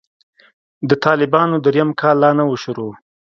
د طالبانو درېيم کال لا نه و شروع.